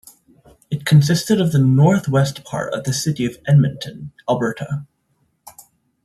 It consisted of the northwest part of the city of Edmonton, Alberta.